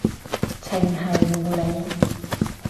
程繫護理